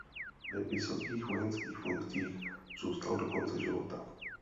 Ve vysokých vojenských funkcích zůstal do konce života.